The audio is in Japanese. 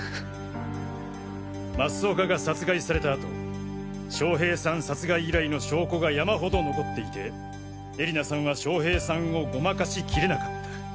増岡が殺害された後将平さん殺害依頼の証拠がやまほど残っていて絵里菜さんは将平さんをごまかしきれなかった。